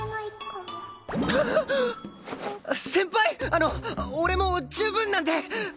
あの俺もう十分なんで！